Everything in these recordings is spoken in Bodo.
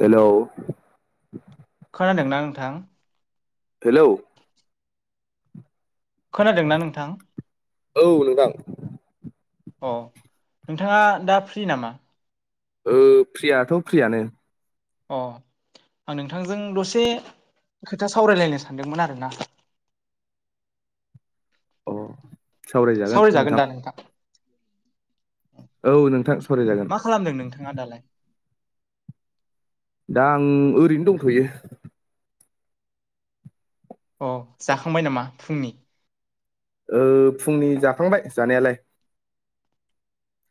हेलौ खोनादोंना नोंथां? हेलौ खोनादोंना नोंथां? औ नोंथां। अ नोंथाङा दा फ्रि नामा? ओं फ्रियाथ' फ्रियानो। अ आं नोंथांजों दसे खोथा सावरायलायनो सानदोंमोन आरोना? अ सावरायजागोन नोंथां। औ नोंथां सावरायजागोन मा खालामदों नोंथाङा दालाय? आं ओरैनो दंथ'यो। अ जाखांबाय नामा फुंनि? ओ फुंनि जाखांबाय जानायालाय।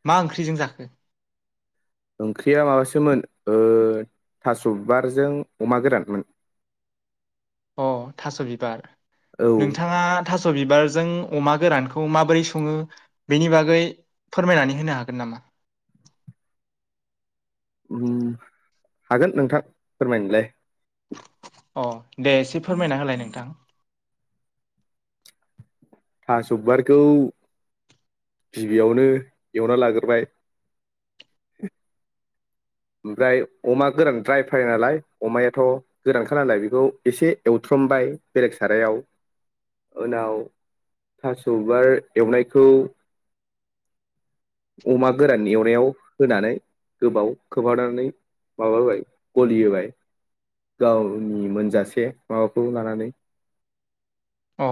मा ओंख्रिजों जाखो? ओंख्रिया माबासोमोन ओ थास'बारजों अमा गोरानमोन। अ थास' बिबार। औ नोंथाङा थास' बिबारजों अमा गोरानखौ माबोरै संङो बेनि बागै फोरमायनानै होनो हागोन नामा? ओम हागोन नोंथां फोरमायनोलाय। अ दे एसे फोरमायना होलाय नोंथां? थास'बिबारखौ गिबियावनो एवना लाग्रोबाय। ओमफ्राय अमा गोरान द्राय फ्राय नालाय अमायाथ' गोरानखा नालाय बेखौ एसे एवथ्रमबाय बेलेग सारायाव उनाव थास'बिबार एवनायखौ अमा गोरान एवनायाव होनानै गोबाव खोबहाबनानै माबा होबाय गलि होबाय गावनि मोनजासे माबाखौ लानानै औ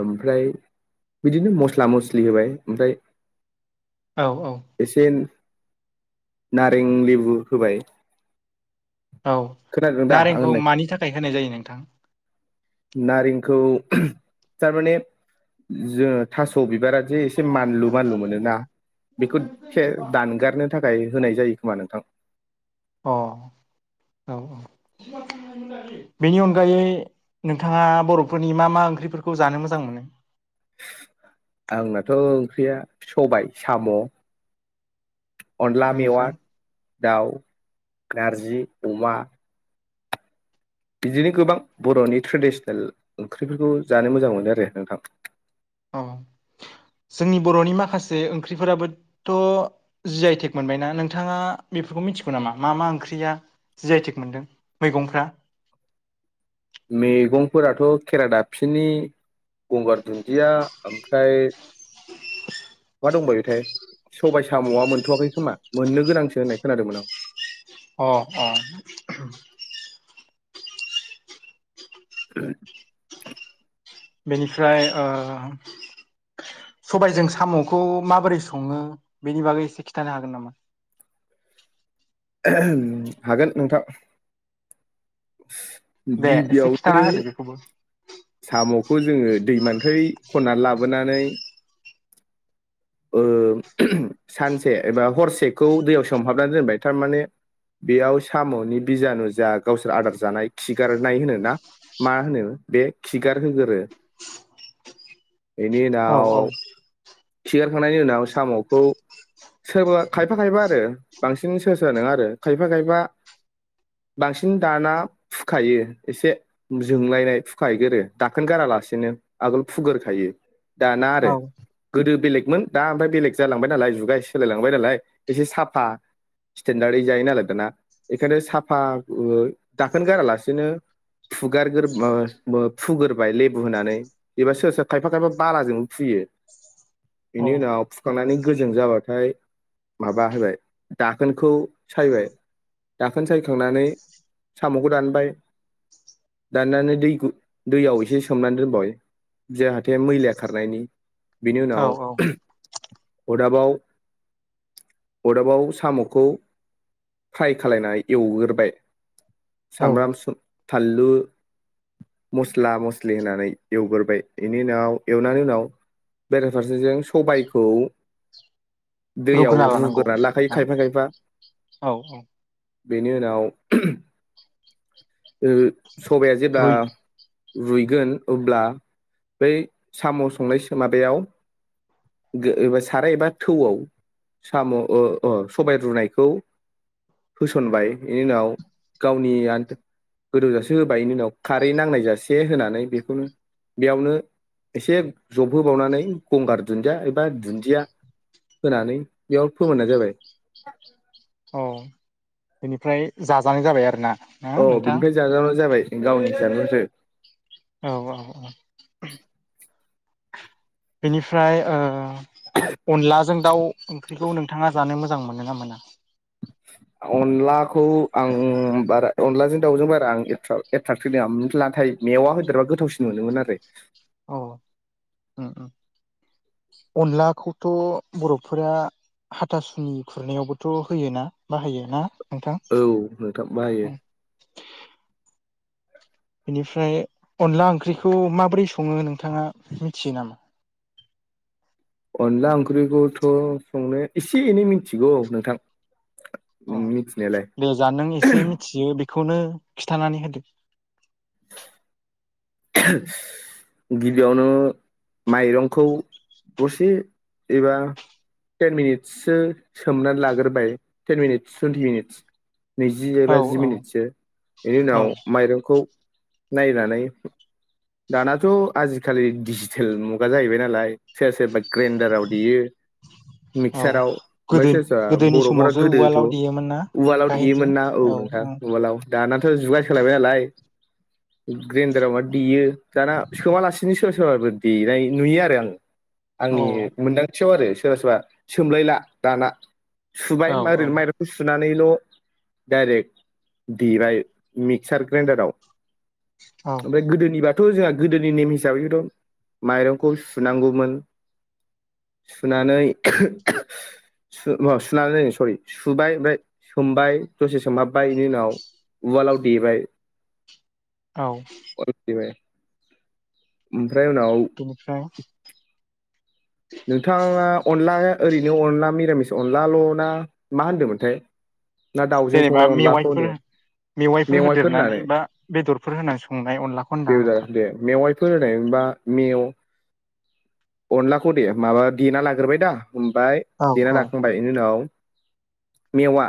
ओमफ्राय बिदिनो मस्ला मस्लि होबाय ओमफ्राय औ औ इसे नारें लेबु होबाय। औ खोनादों दा आं नारेंखौ होननाय मानि थाखाय होनाय जायो नों नोंथां? नारेंखौ थारमाने जोङो थास' बिबारा जे एसे मानलु मानलु मोनोना बेखौ एसे दानगारनो थाखाय होनाय जायो खोमा नोंथां। अ औ औ बेनि अनगायै नोंथाङा बर'फोरनि मा मा ओंख्रिफोरखौ जानो मोजां मोनो? आंनाथ' ओंख्रिया सबाय साम' अनला मेवा बेनिफ्राय दाउ नारजि अमा बिदिनो गोबां बर'नि ट्रेडिसनेल ओंख्रिफोरखौ जानो मोजां मोनो आरो नोंथां अ जोंनि बर'नि माखासे ओंख्रिफोराबोथ' जि आइ टेग मोनबायना नोंथाङा बेफोरखौ मिथिगौ नामा मा मा ओंख्रिया जि आइ टेग मोनदों मैगंफ्रा मैगंफोराथ' खेरा दाफिनि गंगार दुन्दिया ओमफ्राय मा दंबावोथाय सबाय साम'आ मोनथ'वाखै खोमा मोननो गोनांसो होननाय खोनादोंमोन आं अ अ [unintelligible] बेनिफ्राय ओ सबाइजों साम'खौ माबोरै सङो बेनि बागै एसे खिथानो हागोन नामा [unintelligible] हागोन नोंथां। दे एसे खिन्थाना गिबियावनो होदो बेखौबो साम'खौ जोङो दैमान बै खनना लाबोनानै ओ सानसे एबा हरसेखौ दैयाव सोमहाबनानै दोनबाय थारमाने बेयाव साम'नि बिजानु जा गावसोर आदार जानाय खिगारनाय होनो ना मा होनो बे खिगारहोगारो बेनि औ उनाव औ खिगारखांनायनि उनाव साम'खौ सोरबा खायफा खायफा आरो बांसिन सोरबा सोरबा नङा आरो खायफा खायबा बांसिन दाना फुखायो एसे जोंलायनाय फुखाहैगारो दाखोन गारालासेनो आगोल फुगोरखायो दाना औ आरो गोदो बेलेगमोन दा ओमफ्राय बेलेग जालांबाय नालाय जुगा एसे सोलायलांबाय नालाय एसे साफा स्टेेनडार्डै जायो नालाय दाना बेखायनो साफायै दाखोन गारालासेनो फुगारग्रो ओ ओ फुग्रोबाय लेबु होनानै एबा सोर सोर खायफा खायफा बालाजोंबो फुयो। औ बेनि उनाव फुखांनानै गोजों जाबाथाय माबा होबाय दाखोनखौ सायबाय दाखोन सायखांनानै साम'खौ दानबाय दाननानै दै दैयाव एसे सोमनानै दोनबाय जाहाथे मैला खारनायनि बिनि औ उनाव औ अदाबाव अरदाबाव साम'खौ फ्राय खालायनाय एवग्रोबाय औ सामब्राम सु थाल लु मस्ला मस्लि होनानै एवग्रोबाय बेनि उनाव एवनानै उनाव बेराफारसेजों सबायखौ दैयाव रुग्रोना लानांगौ रुग्रोनानै लाखायो ना खायफा खायफा औ औ बेनि उनाव [unintelligible] ओ सबाइया जेब्ला रुइ रुइगोन अब्ला बै साम' संनाय सोमाब बेयाव गो साराय एबा थौआव साम' ओ ओ सबाय रुनायखौ होसनबाय इनि उनाव गावनि आ गोदौजासे होबाय बेनि उनाव खारै नांनाय जासे होनानै बेखौनो बेयावनो एसे ज होबावनानै गंगार दुन्दिया एबा दुन्दिया होनानै बेयाव फोमोननाय जाबाय अ बेनिफ्राय जाजानाय जाबाय आरो ना औ नोंथां बिनिफ्राय जाजाबाय जाबाय। गावनि [unintelligible] औ औ औ बेनिफ्राय ओ अनलाजों दाउ ओंख्रिखौ नोंथाङा जानो मो मोजां मोनो ना मोना अनलाखौ आं बारा अनलाजों दाउजों बारा आं एट्राक-एट्राकटिभ नङा नाथाय मेवा होदेरबा गोथावसिन मोनोमोन आरो औ उ उ अनलाखौथ' बर'फोरा हाथासुनि खुरनायावबोथ' होयो ना बाहायो ना? नोंथां। औ नोंथां बाहायो इनिफ्राय अनला ओंख्रिखौ माबोरै सङो नोंथाङा मिथियो नामा? अनला ओंख्रिखौथ' संनो एसे एनै मिथिगौ नोंथां। अ मिथिनायालाय दे जा नों एसे मिथियो बे खौनो खिन्थानानै होदो। गिबियावनो माइरंखौ दसे एबा टेन मिनिटससो सोमनानै लाग्रोबाय टेन मिनिटस टुइन्टि मिनिटस नैजि औ एबा जि औ मिनिटसो बेनि औ उनाव माइरंखौ नायनानै। दानाथ' आजिखालि डिजिटेल मुगा जाहैबाय नालाय सोर सोरबा ग्रेइनडाराव देयो औ मिक्साराव ओमफ्राय गोदो सोर सोरबा गोदोनि बर'फोरा समावसो गोदोथ' उवालाव देयोमोन ना उवालाव गाहेनजों देयोमोन ना औ नोंथां औ उवालाव। दानाथ' जुगा सोलायबाय नालाय ग्रेन्दारावबानो देयो। दाना सोमालासिनो सोरबा सोरबा देनाय नुयो आरो आं। औ आंनि मोनदांथियाव आरो। सोरबा सोरबा सोमलायला दाना। सुबाय मा औ ओरैनो माइरंखौ सुनानै। बेल' डाइरेक्ट देबाय मिक्सार ग्रेइनडाराव औ ओमफ्राय गोदोनि बा थ' जोंहा गोदोनि नेम हिसाबैथ' माइरंखौ सुनांगौमोन सुनानै सुनानै सरि सुबाय ओमफ्राय सोमबाय दसे सोमहाबबाय बेनि उनाव उवालाव देबाय। औ [unintelligible] उम। बिनिफ्राय नोंथाङा अनला ओरैनो अनला मिरामिस अनलाल' ना मा होनदोंमोनथाय? ना दाउजों जेनेबा संनाय अनलाखौ मेवाइफोर होनदोंमोन मेवाइफोर होदेरनानै बा बेदरफोर होनानै संनाय अनलाखौ होनदों आं नोंथां। होनायमोनबा मेव अनला खौ दे माबा देना लाग्रोबाय दा! हमबाय औ देना औ लाखांबाय बेनि उनाव मेवा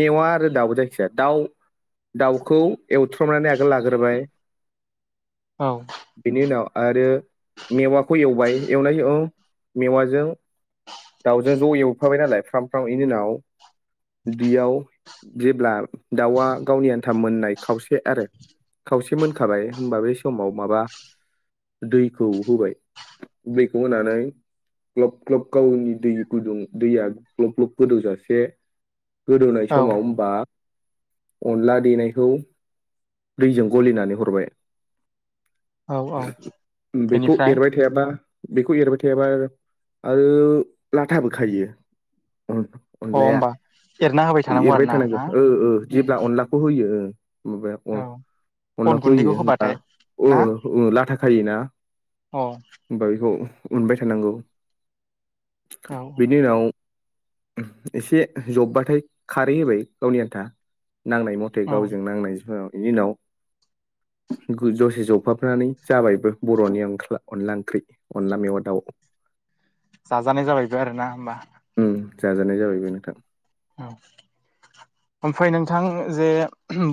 मेवा आरो दाउ जायखि जाया दाउ दाउखौ एवफ्रामनानै आगोल लाग्रोबाय। औ बेनि उनाव आरो मेवा खौ एवबाय औ मेवाजों दाउजों ज' एवफाबाय नालाय फ्राम फ्राम बेनि उनाव बियाव जेब्ला दाउआ गावनि आन्था मोननाय खावसे आरो खावसे मोनखाबाय होनबा बे समाव माबा दैखौ होबाय। दैखौ होनानै ग्लब ग्लब गावनि दै गुदुं दैया ग्लब ग्लब गोदौजासे गोदौनाय औ समाव होमबा अनला देनायखौ दैजों गलिनानै हरबाय औ औ बेखौ बेनिफ्राय एरबाय थायाबा बेखौ एरबाय थायाबा आरो लाथाबो खायो। ओ अ अनलाया होमबा एरना होबाय आरो एरबाय ना थानांगौ ना ओ ओ जेब्ला अनलाखौ होयो ओ माबाया अन औ अन अनलाखौ गुन्दैखौ होयो होनबा होबाथाय ओ ना ओ लाथा खायो ना? औ औ उनबाय थानांगौ बेनि उनाव एसे जबबाथाय खारै होबाय गावनि आन्था नांनाय मथे औ गावजों नांनाय समाव बिनि उनाव गो जफाबनानै जाबायबो बर'नि अनला ओंख्रि। अनला मेवा दाउ जाजानाय जाबायबो आरो ना होमबा? उम जाजानाय जाबायबो नोंथां। औ ओमफ्राय नोंथां जे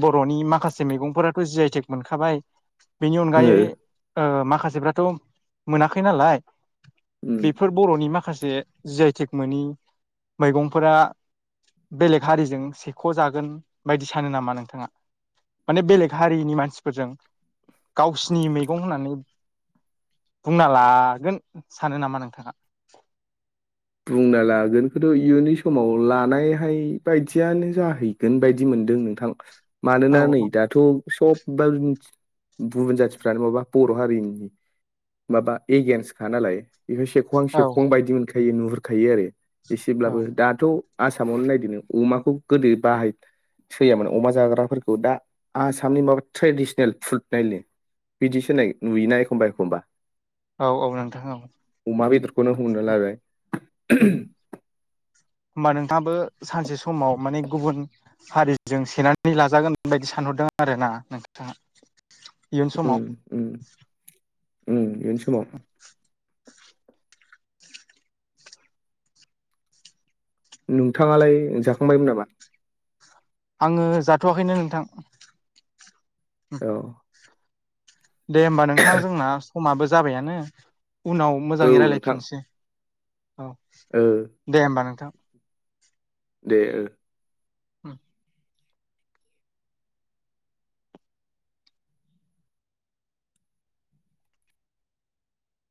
बर'नि माखासे मैगंफोराथ' जि आइटेक मोनखाबाय बेनि ओ अनगायै ओ माख खासेफ्राथ' मोनाखै नालाय उम बेफोर बर'नि माखास से जि आइटेक मोनि मैगंफोरा बेलेग हारिजों सेख' जागोन बायदि सानो नामा नोंथाङा माने बेलेग हारिनि मानसिफोरजों गावसिनि मैगं होननानै बुंना लागोन सानो नामा नोंथाङा? बुंना लागोनखौथ' इयुननि समाव लानायहाय बायदियानो जाहैगोन बायदि मोनदों नोंथां। औ मानोना नै दाथ' सब बा बुन जाथिफ्रानो माबा बर' हारिनि माबा एगेेनस्टखा नालाय बेखौ सेखवां औ सेखवां बायदि मोनखो। नुहुरखायो आरो औ एसेब्लाबो दाथ' आसामावनो नायदनो अमाखौ गोदो बाहाय सोयामोन अमा जाग्राफोरखौ दा आसामनि माबा ट्रेडिसनेल फुड नायनो बिदिसोय नुयोना एखमबा एखमबा औ औ नोंथां औ अमा बेदखौनो हमना लाबाय [inaudible] होमबा नोंथाङाबो सानसे समाव माने गुबुन हारिजों सेननानै लाजागोन बायदि सानहरदों आरो ना नोंथाङा? इयुन उम समाव उम। उम इयुन समाव नोंथाङालाय जाखांबायमोन नामा? आङो जाथ'वाखैनो नोंथां । औ । दे होमबा नोंथां जोंना समाबो जाबायानो उनाव औ मोजाङै नोंथां रायजलायफिनसै औ ओ दे होमबा नोंथां । दे ओ । उम